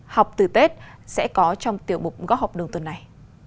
chơi tết học từ tết sẽ có trong tiệm équan góc học lập tuần này